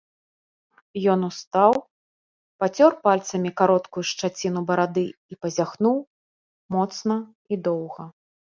Ён устаў, пацёр пальцамі кароткую шчаціну барады і пазяхнуў, моцна і доўга.